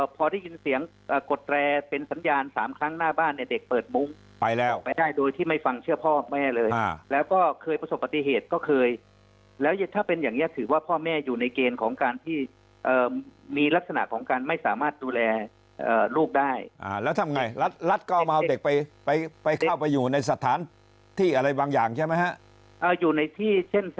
พอได้ยินเสียงกดแรเป็นสัญญาณ๓ครั้งหน้าบ้านเนี่ยเด็กเปิดมุ้งไปแล้วไปได้โดยที่ไม่ฟังเชื่อพ่อแม่เลยแล้วก็เคยประสบปฏิเหตุก็เคยแล้วถ้าเป็นอย่างนี้ถือว่าพ่อแม่อยู่ในเกณฑ์ของการที่มีลักษณะของการไม่สามารถดูแลลูกได้แล้วทำไงรัฐรัฐก็เอามาเอาเด็กไปไปเข้าไปอยู่ในสถานที่อะไรบางอย่างใช่ไหมฮะ